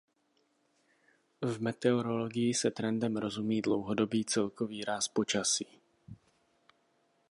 V meteorologii se trendem rozumí dlouhodobý celkový ráz počasí.